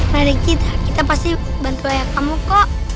dari kita kita pasti bantu ayah kamu kok